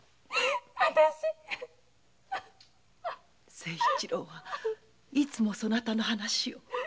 清一郎はいつもそなたの話を。